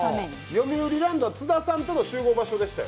よみうりランドは津田さんとの集合場所でした。